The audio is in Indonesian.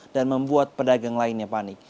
dan membuat pedagang lainnya panik